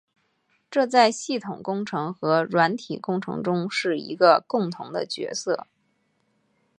这在系统工程和软体工程中是一个共同的角色。